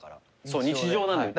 そう日常なのよ。